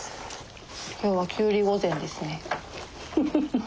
今日はきゅうり御膳ですね。